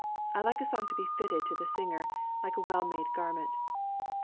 I like a song to be fitted to the singer, like a well made garment.